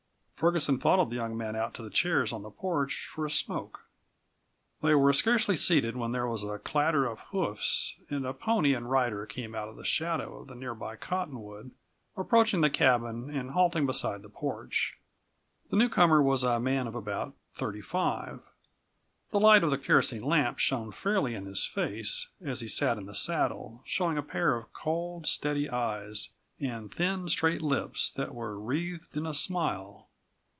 Ferguson followed the young man out to the chairs on the porch for a smoke. They were scarcely seated when there was a clatter of hoofs, and a pony and rider came out of the shadow of the nearby cottonwood, approaching the cabin and halting beside the porch. The newcomer was a man of about thirty five. The light of the kerosene lamp shone fairly in his face as he sat in the saddle, showing a pair of cold, steady eyes and thin, straight lips that were wreathed in a smile.